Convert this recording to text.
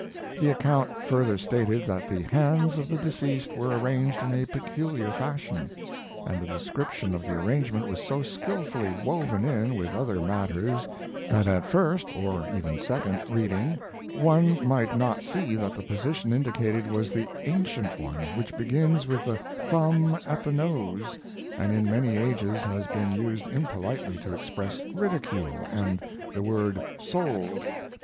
The account further stated that the hands of the deceased were arranged in a peculiar fashion; and the description of the arrangement was so skilfully woven in with other matters that at first, or even second, reading one might not see that the position indicated was the ancient one which begins with the thumb at the nose and in many ages has been used impolitely to express ridicule and the word "sold."